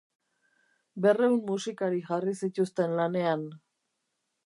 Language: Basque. Berrehun musikari jarri zituzten lanean.